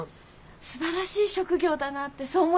すばらしい職業だなってそう思います。